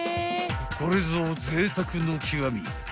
［これぞぜいたくの極み］